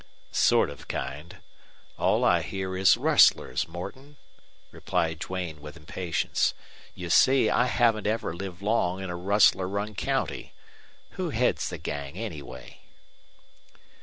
"Sort of kind. All I hear is rustlers, Morton," replied Duane, with impatience. "You see, I haven't ever lived long in a rustler run county. Who heads the gang, anyway?"